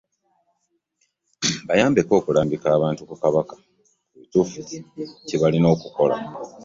Bayambeko okulambika abantu ba Kabaka ku kituufu kye balina okukola.